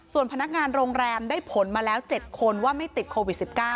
ส่วนพนักงานโรงแรมได้ผลมาแล้ว๗คนว่าไม่ติดโควิด๑๙